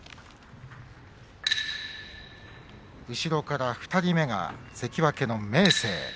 後ろから２人目が関脇の明生。